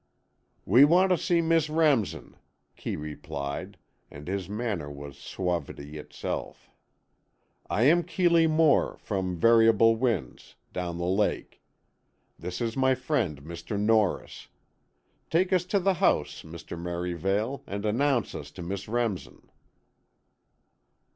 "We want to see Miss Remsen," Kee replied and his manner was suavity itself. "I am Keeley Moore, from Variable Winds, down the lake. This is my friend, Mr. Norris. Take us to the house, Mr. Merivale, and announce us to Miss Remsen."